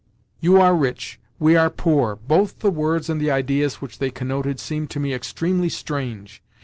"You are rich," "we are poor"—both the words and the ideas which they connoted seemed to me extremely strange.